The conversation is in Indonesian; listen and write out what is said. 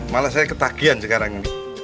malah saya ketagihan sekarang